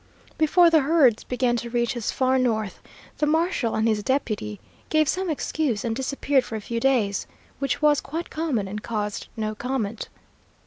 "Before the herds began to reach as far north, the marshal and his deputy gave some excuse and disappeared for a few days, which was quite common and caused no comment.